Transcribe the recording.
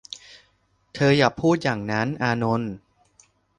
เธออย่าพูดอย่างนั้น อานนท์